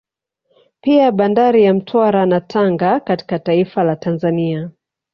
Pia Bandari ya Mtwara na Tanga katika taifa la Tanzania